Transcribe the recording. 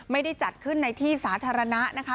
ไม่ได้จัดขึ้นในที่สาธารณะนะคะ